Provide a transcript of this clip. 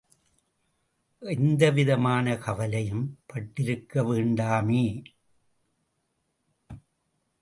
எந்தவிதமான கவலையும் பட்டிருக்க வேண்டாமே!